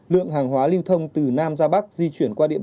lượng hàng hóa lưu thông từ nam ra bắc